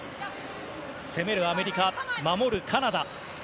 攻めるアメリカ、守るカナダ。